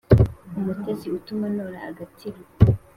u mutesi utuma ntora agatiro